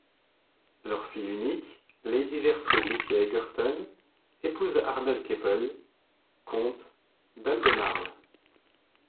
Leur fille unique, Lady Gertrude Lucia Egerton, épousa Arnold Keppel, comte d'Albemarle.